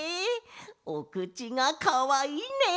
おくちがかわいいね！